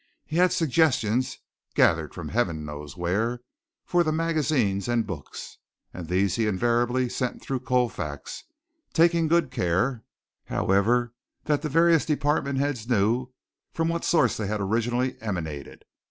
He had suggestions, gathered from Heaven knows where, for the magazines and books, and these he invariably sent through Colfax, taking good care, however, that the various department heads knew from what source they had originally emanated.